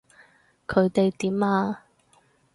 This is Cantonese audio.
佢哋點啊？